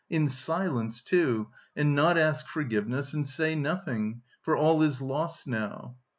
in silence, too... and not ask forgiveness, and say nothing... for all is lost now!"